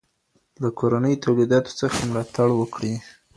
له کورنيو توليداتو څخه ملاتړ وکړئ.